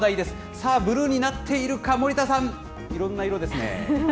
さあ、ブルーになっているか、森田さん、いろんな色ですね。